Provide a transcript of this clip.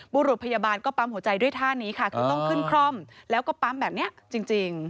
บุรุษพยาบาลก็ปั๊มหัวใจด้วยท่านี้ค่ะคือต้องขึ้นคร่อมแล้วก็ปั๊มแบบนี้จริง